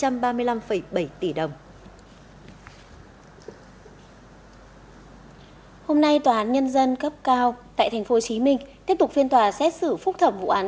hôm nay tòa án nhân dân cấp cao tại tp hcm tiếp tục phiên tòa xét xử phúc thẩm vụ án